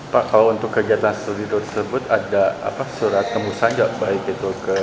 pak kalau untuk kegiatan studi tour tersebut ada apa surat temu sanggup baik itu ke